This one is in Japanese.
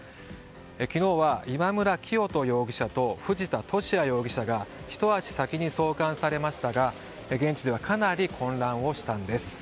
昨日は今村磨人容疑者と藤田聖也容疑者がひと足先に送還されましたが現地ではかなり混乱したんです。